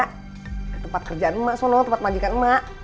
ke tempat kerjaan emak sono tempat majikan emak